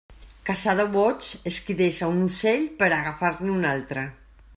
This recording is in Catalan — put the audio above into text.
Caçador boig és qui deixa un ocell per agafar-ne un altre.